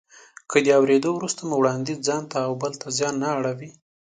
که د اورېدو وروسته مو وړانديز ځانته او بل ته زیان نه اړوي.